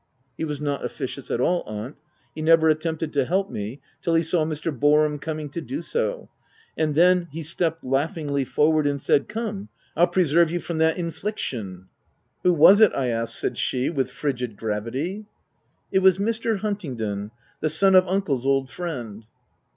" He was not officious at all, aunt : he never attempted to help me, till he saw Mr. Boarham coming to do so ; and then he stepped laugh ingly forward and said, l Come 111 preserve you from that infliction.' "" Who was it, I ask ?" said she, with frigid gravity. " It was Mr. Huntingdon, the son of uncle's old friend."